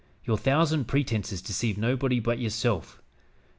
Your thousand pretenses deceive nobody but yourself.